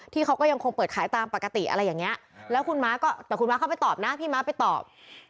เขาก็ยังคงเปิดขายตามปกติอะไรอย่างนี้แล้วคุณม้าก็แต่คุณม้าเข้าไปตอบนะพี่ม้าไปตอบ